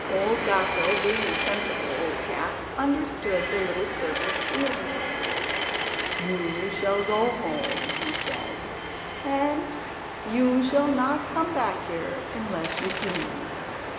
Old Gatto, being a sensible old cat, understood the little servant's feelings. "You shall go home," he said, "and you shall not come back here unless you please.